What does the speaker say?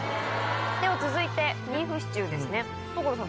では続いてビーフシチューです所さん